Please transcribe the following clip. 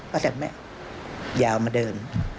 พอแทบแม่อย่าเอามาเดิน